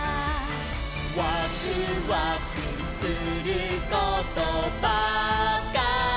「ワクワクすることばかり」